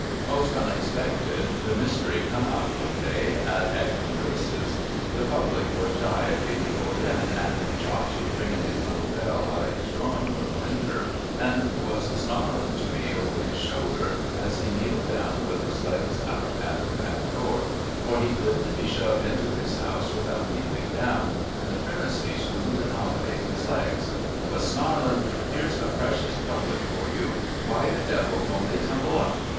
Most unexpected, the mystery come out one day at Egham Races. The Public was shy of bein })ulled in, and Chops was ringin his little bell out of his drawing room winder, and was snarlin to me over his shoulder as he kneeled down with his legs out at the back door — for he couldn't be shoved into his house without kneeling down, and the premises wouldn't accommodate his legs — was snarlin, ' Here's a precious Public for you ; why the Devil don't they tumble up